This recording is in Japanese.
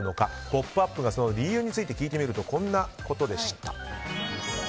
「ポップＵＰ！」がその理由について聞いてみるとこんなことでした。